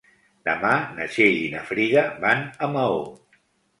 Demà na Txell i na Frida van a Maó.